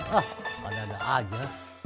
hah ada ada aja